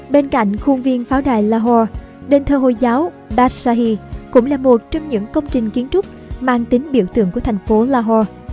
bên cạnh khuôn viên pháo đài lahore đền thơ hồi giáo badshahi cũng là một trong những công trình kiến trúc mang tính biểu tượng của thành phố lahore